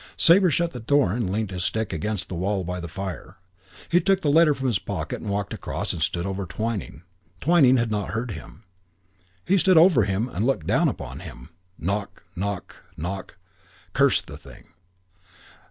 Sabre shut the door and leant his stick against the wall by the fire. He took the letter from his pocket and walked across and stood over Twyning. Twyning had not heard him. He stood over him and looked down upon him. Knock, knock, knock. Curse the thing.